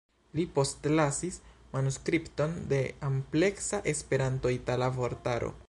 Li postlasis manuskripton de ampleksa Esperanto-itala vortaro.